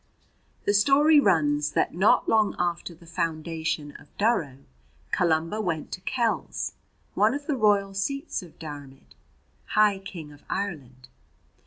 The story runs that not long after the foundation of Durrow, Columba went to Kells, one of the royal seats of Diarmaid, High King of Ireland.